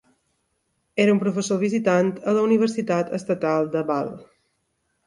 Era un professor visitant a la Universitat Estatal Ball.